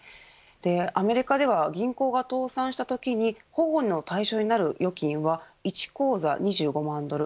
アメリカでは銀行が倒産したときに保護の対象になる預金は１口座２５万ドル。